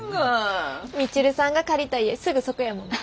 美知留さんが借りた家すぐそこやもんね。